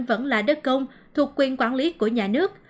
vẫn là đất công thuộc quyền quản lý của nhà nước